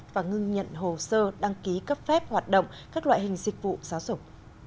và ngưng nhận hồ sơ đăng ký cấp phép hoạt động các loại hình dịch vụ giáo dục